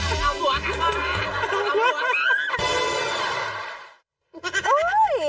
เอาผัวครับพ่อแม่เอาผัวครับพ่อแม่